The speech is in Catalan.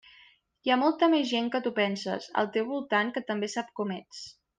Hi ha molta més gent que tu penses, al teu voltant, que també sap com ets.